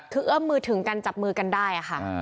คือเอื้อมมือถึงกันจับมือกันได้ค่ะ